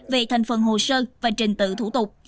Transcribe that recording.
về thành phần hồ sơ và trình tự thủ tục